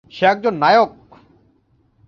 সে একজন নায়ক।